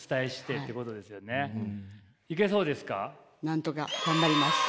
なんとか頑張ります。